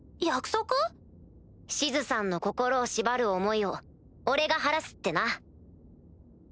シズさんの心を縛る思いを俺が晴らすってな。